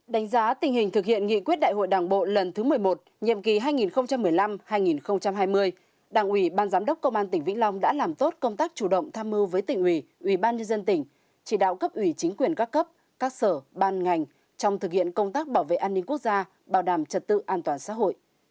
đánh giá tình hình thực hiện nghị quyết đại hội đảng bộ lần thứ một mươi một nhiệm kỳ hai nghìn một mươi năm hai nghìn hai mươi đảng ủy ban giám đốc công an tỉnh vĩnh long đã làm tốt công tác chủ động tham mưu với tỉnh ủy ủy ban nhân dân tỉnh chỉ đạo cấp ủy chính quyền các cấp các sở ban ngành trong thực hiện công tác bảo vệ an ninh quốc gia bảo đảm trật tự an toàn xã hội